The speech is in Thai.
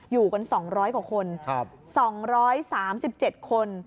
อยู่กันสองร้อยกว่าคนครับสองร้อยสามสิบเจ็ดคน